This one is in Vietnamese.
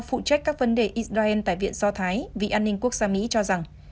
phụ trách các vấn đề israel tại viện do thái vị an ninh quốc gia mỹ cho rằng